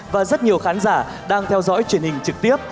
và rất nhiều khán giả đang theo dõi truyền hình trực tiếp